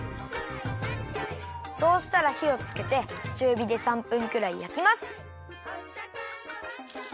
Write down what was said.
そうしたらひをつけてちゅうびで３分くらいやきます。